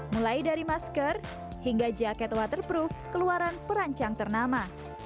mulai dari masker hingga jaket waterproof keluaran perancang ternama